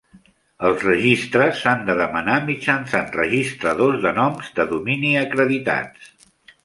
Els registres s'han de demanar mitjançant registradors de noms de domini acreditats.